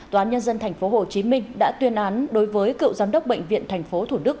tòa án nhân dân tp hcm đã tuyên án đối với cựu giám đốc bệnh viện tp thủ đức